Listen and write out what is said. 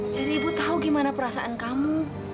jadi ibu tahu gimana perasaan kamu